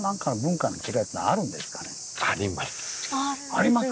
ありますか。